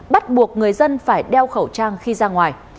bắt buộc người dân phải đeo khẩu trang khi ra ngoài